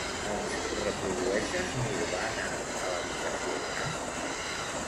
Ens reprodueixes Nirvana a l'habitació gran?